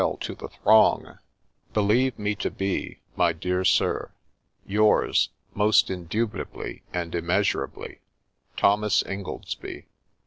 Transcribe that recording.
— I'll to the throng I ' Believe me to be, My dear Sir, Yours, most indubitably and immeasurably, THOMAS INGOLDSBY.